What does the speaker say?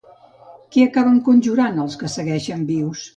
Què acaben conjecturant, els que segueixen vius?